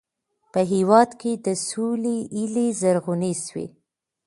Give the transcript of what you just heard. په هېواد کې د سولې هیلې زرغونې سوې.